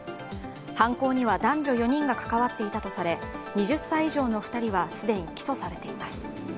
犯行には男女４人が関わっていたとされ２０歳以上の２人は既に起訴されています。